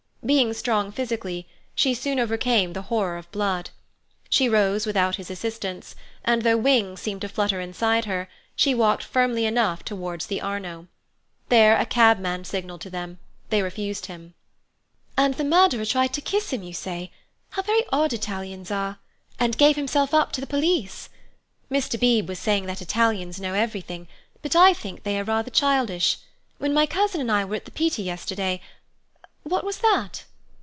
Being strong physically, she soon overcame the horror of blood. She rose without his assistance, and though wings seemed to flutter inside her, she walked firmly enough towards the Arno. There a cabman signalled to them; they refused him. "And the murderer tried to kiss him, you say—how very odd Italians are!—and gave himself up to the police! Mr. Beebe was saying that Italians know everything, but I think they are rather childish. When my cousin and I were at the Pitti yesterday—What was that?"